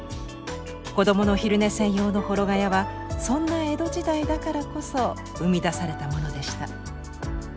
子どもの昼寝専用の幌蚊帳はそんな江戸時代だからこそ生み出されたものでした。